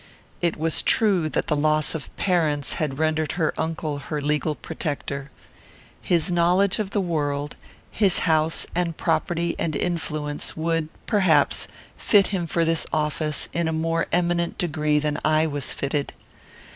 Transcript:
It was true that the loss of parents had rendered her uncle her legal protector. His knowledge of the world; his house and property and influence, would, perhaps, fit him for this office in a more eminent degree than I was fitted.